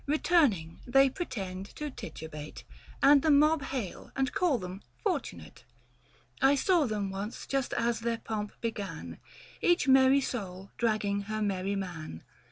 Returning, they pretend to titubate ; And the mob hail and call them " fortunate." I saw them once just as their pomp began, Each merrv soul dragging her merry man.